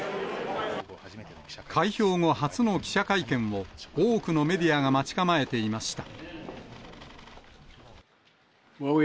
開票後初の記者会見を、多くのメディアが待ち構えていました。